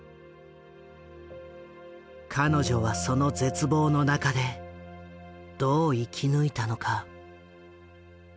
彼女はその絶望の中でどう生き抜いたのか。